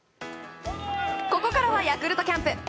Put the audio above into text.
ここからはヤクルトキャンプ。